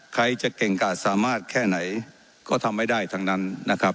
ใครจะเก่งกาดสามารถแค่ไหนก็ทำไม่ได้ทั้งนั้นนะครับ